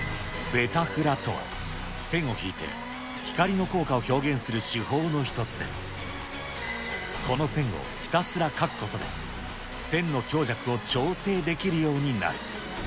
ベタフラとは、線を引いて光の効果を表現する手法の一つで、この線をひたすら描くことで、線の強弱を調整できるようになる。